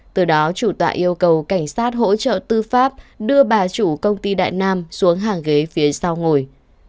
từ đó chủ tọa yêu cầu cảnh sát hỗ trợ tư pháp đưa bà chủ công ty đại nam xuống hàng ghế phía sau ngồi